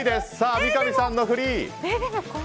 三上さんのフリー。